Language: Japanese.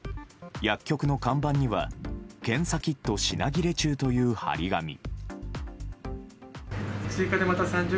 薬局の看板には検査キット品切れ中という貼り紙。